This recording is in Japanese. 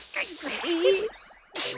えっ？